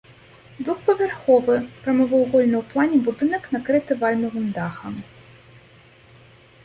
Двухпавярховы, прамавугольны ў плане будынак, накрыты вальмавым дахам.